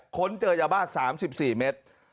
ค้นเจอยาบ้า๓๔เมตร